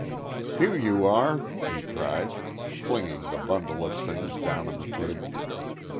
"Here you are," he cried, flinging the bundle of things down on the table.